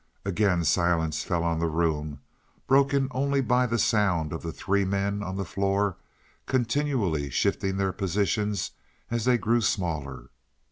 Again silence fell on the room, broken only by the sound of the three men on the floor continually shifting their positions as they grew smaller.